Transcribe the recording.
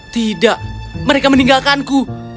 tidak mereka meninggalkanku